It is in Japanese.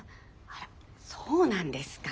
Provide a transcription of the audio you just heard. あらそうなんですか。